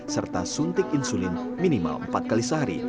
serta suntik insulin minimal empat kali sehari